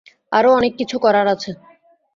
আরও অনেক কিছু করার আছে।